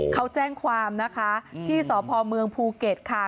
เขาแจ้งความนะคะที่สพเมืองภูเก็ตค่ะ